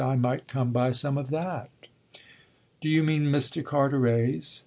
I might come by some of that." "Do you mean Mr. Carteret's?"